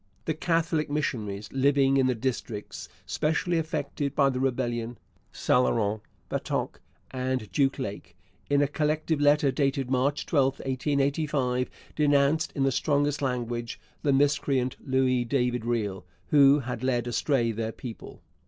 The Catholic missionaries living in the districts specially affected by the rebellion St Laurent, Batoche, and Duck Lake in a collective letter dated March 12, 1885, denounced in the strongest language 'the miscreant Louis David Riel' who had led astray their people.